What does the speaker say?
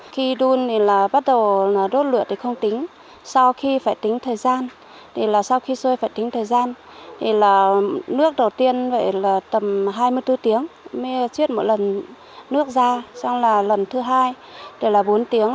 khi đun thì là bắt đầu đốt lượt thì không tính sau khi phải tính thời gian thì là sau khi xuôi phải tính thời gian thì là nước đầu tiên vậy là tầm hai mươi bốn tiếng mới chiết một lần nước ra xong là lần thứ hai thì là bốn tiếng